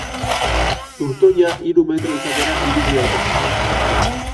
Zurtoina hiru metro izatera irits daiteke.